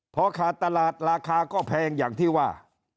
พอขาดตลาดราคาก็แพงอย่างที่ว่า